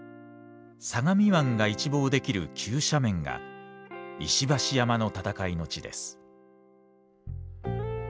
相模湾が一望できる急斜面が石橋山の戦いの地です。